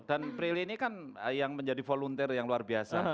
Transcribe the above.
dan prilly ini kan yang menjadi volunteer yang luar biasa